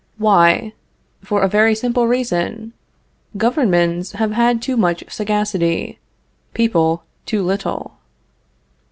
Why? For a very simple reason. Governments have had too much sagacity; people too little.